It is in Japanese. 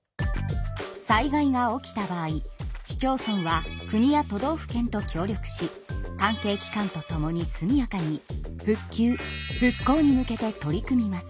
災害が起きた場合市町村は国や都道府県と協力し関係機関と共に速やかに復旧・復興に向けて取り組みます。